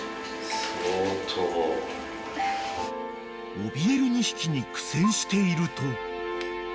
［おびえる２匹に苦戦していると］